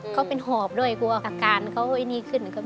เขาก็เป็นหอบด้วยกลัวเหตุผลการพยายามเขาอะไร